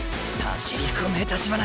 走り込め橘！